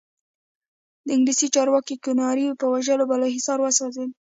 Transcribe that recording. د انګلیسي چارواکي کیوناري په وژلو بالاحصار وسوځېد.